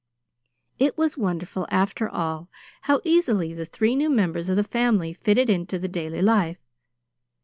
It was wonderful, after all, how easily the three new members of the family fitted into the daily life.